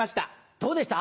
どうでした？